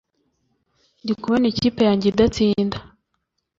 ndikubona ikipe yange idatsinda